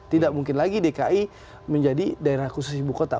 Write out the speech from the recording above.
tidak mungkin lagi dki menjadi daerah khusus ibu kota